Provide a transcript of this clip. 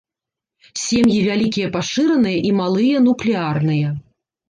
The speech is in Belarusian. Сем'і вялікія пашыраныя і малыя нуклеарныя.